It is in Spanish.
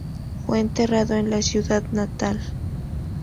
Fue enterrado en su ciudad natal.